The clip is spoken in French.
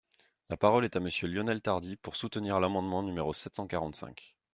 La parole est à Monsieur Lionel Tardy, pour soutenir l’amendement numéro sept cent quarante-cinq.